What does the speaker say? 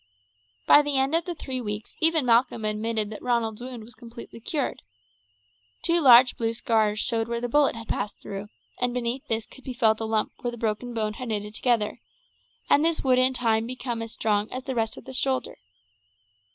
By the end of the three weeks even Malcolm admitted that Ronald's wound was completely cured. Two large blue scars showed where the bullet had passed through, and beneath this could be felt a lump where the broken bone had knitted together, and this would in time become as strong as the rest of the shoulder.